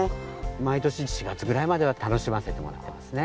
毎年４月ぐらいまでは楽しませてもらってますね。